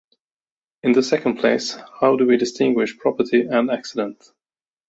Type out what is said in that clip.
In the second place how do we distinguish property and accident?